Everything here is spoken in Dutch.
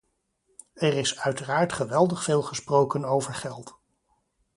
Er is uiteraard geweldig veel gesproken over geld.